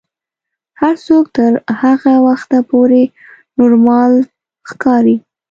هر څوک تر هغه وخته پورې نورمال ښکاري.